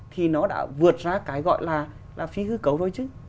thì nó đã vượt ra cái gọi là phi hư cấu thôi chứ